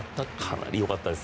かなりよかったです。